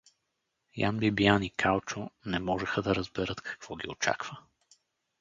Ян Бибиян и Калчо не можеха да разберат какво ги очаква.